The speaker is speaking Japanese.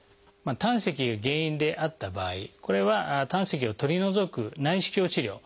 胆石が原因であった場合これは胆石を取り除く内視鏡治療